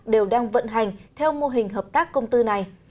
đều đang vận hành theo mô hình hợp tác công tư này